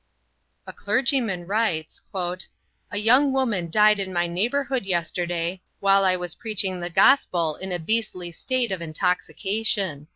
A clergyman writes, "A young woman died in my neighborhood yesterday, while I was preaching the gospel in a beastly state of intoxication."